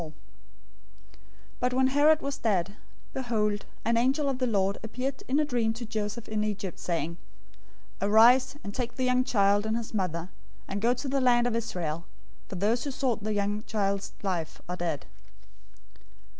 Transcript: "{Jeremiah 31:15} 002:019 But when Herod was dead, behold, an angel of the Lord appeared in a dream to Joseph in Egypt, saying, 002:020 "Arise and take the young child and his mother, and go into the land of Israel, for those who sought the young child's life are dead."